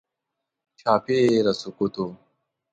چاپېره سکوت و.